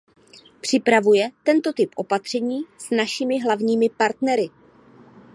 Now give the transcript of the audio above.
Připravuje tento typ opatření s našimi hlavními partnery.